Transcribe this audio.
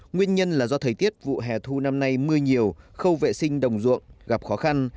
nguyên nhân là do thời tiết vụ hè thu năm nay mưa nhiều khâu vệ sinh đồng ruộng gặp khó khăn